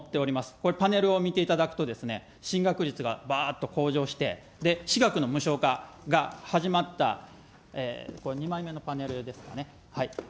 これパネルを見ていただくと、進学率がばーっと向上して、私学の無償化が始まった、これ、２枚目のパネルですかね。